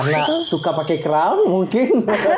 karena suka pakai crown mungkin